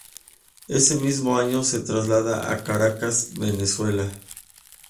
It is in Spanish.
Ese mismo año se traslada a Caracas, Venezuela.